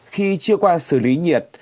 khi chưa qua xử lý nhiệt